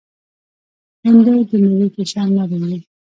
بېنډۍ د مېوې په شان نرم وي